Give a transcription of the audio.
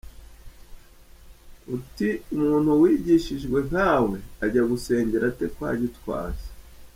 Uti umuntu wigishijwe nkawe ajya gusengera ate kwa Gitwaza?